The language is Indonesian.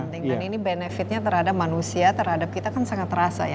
dan ini benefitnya terhadap manusia terhadap kita kan sangat terasa ya